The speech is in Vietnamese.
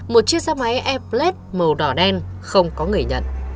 một chiếc xe máy airblade màu đỏ đen không có người nhận